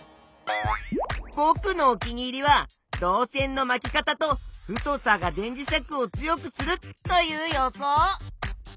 ぼくのお気に入りは導線の「まき方」と「太さ」が電磁石を強くするという予想！